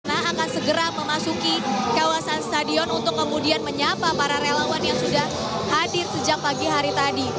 nah akan segera memasuki kawasan stadion untuk kemudian menyapa para relawan yang sudah hadir sejak pagi hari tadi